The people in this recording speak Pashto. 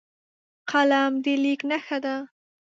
قلم د لیک نښه ده